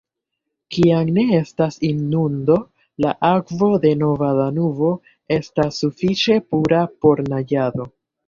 Kiam ne estas inundo, la akvo de Nova Danubo estas sufiĉe pura por naĝado.